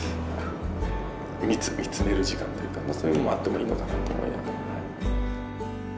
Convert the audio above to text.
見つめる時間というかそういうのもあってもいいのかなと思いながら。